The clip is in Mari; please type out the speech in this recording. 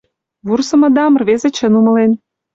— Вурсымыдам рвезе чын умылен.